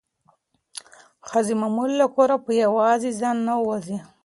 ښځې معمولا له کوره په یوازې ځان نه وځي.